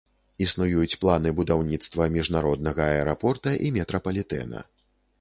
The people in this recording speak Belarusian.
Існуюць планы будаўніцтва міжнароднага аэрапорта і метрапалітэна.